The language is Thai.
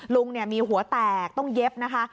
ลุงมีหัวแตกต้องเย็บนะคะ